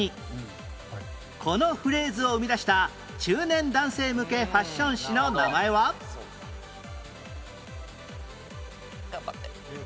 このフレーズを生み出した中年男性向けファッション誌の名前は？え。